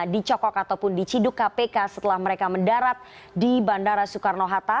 dicokok ataupun diciduk kpk setelah mereka mendarat di bandara soekarno hatta